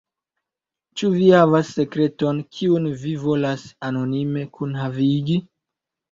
Ĉu vi havas sekreton, kiun vi volas anonime kunhavigi?